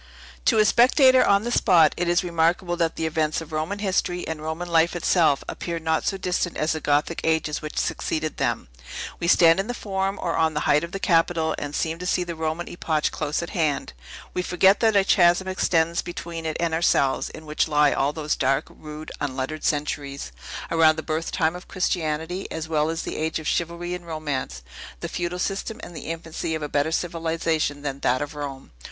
To a spectator on the spot, it is remarkable that the events of Roman history, and Roman life itself, appear not so distant as the Gothic ages which succeeded them. We stand in the Forum, or on the height of the Capitol, and seem to see the Roman epoch close at hand. We forget that a chasm extends between it and ourselves, in which lie all those dark, rude, unlettered centuries, around the birth time of Christianity, as well as the age of chivalry and romance, the feudal system, and the infancy of a better civilization than that of Rome.